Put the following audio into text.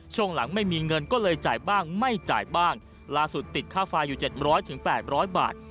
ช่วงหลังไม่มีเงินก็เลยจ่ายบ้างไม่จ่ายบ้างล่าสุดติดค่าไฟอยู่๗๐๐๘๐๐บาท